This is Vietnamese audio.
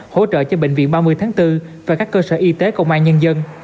hỗ trợ cho bệnh viện ba mươi tháng bốn và các cơ sở y tế công an nhân dân